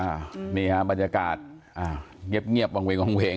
นี่ฮะบรรยากาศอ่าเงียบเงียบวางเวงวางเวง